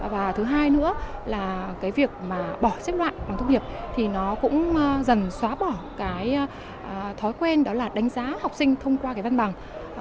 và thứ hai nữa là cái việc mà bỏ xếp loại bằng tốt nghiệp thì nó cũng dần xóa bỏ cái thói quen đó là đánh giá học sinh thông qua cái văn bằng